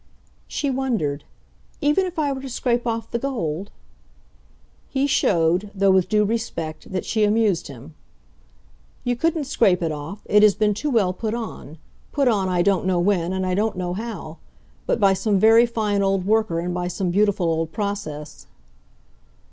She wondered. "Even if I were to scrape off the gold?" He showed, though with due respect, that she amused him. "You couldn't scrape it off it has been too well put on; put on I don't know when and I don't know how. But by some very fine old worker and by some beautiful old process."